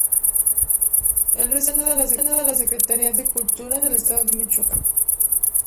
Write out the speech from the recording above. El recinto depende de la Secretaria de Cultura del Estado de Michoacán.